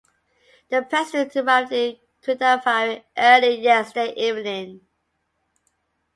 The President arrived in Kudafari early yesterday evening.